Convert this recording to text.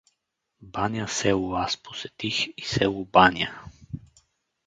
Баня село Аз посетих и село Баня.